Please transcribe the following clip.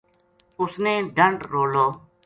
اس نے ڈَنڈ رولو